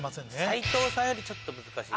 斉藤さんよりちょっと難しい。